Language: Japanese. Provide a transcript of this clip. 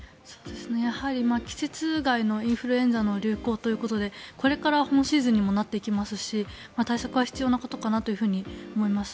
やはり季節外のインフルエンザの流行ということでこれから本シーズンにもなっていきますし対策は必要なことかなと思います。